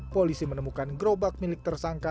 polisi menemukan gerobak milik tersangka